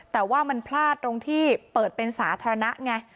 แต่ว่ามันพลาดตรงที่เปิดเป็นสาธารณะไง